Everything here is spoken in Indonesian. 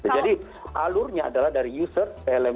jadi alurnya adalah dari user